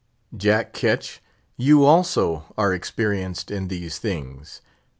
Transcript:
Jack Ketch, you also are experienced in these things!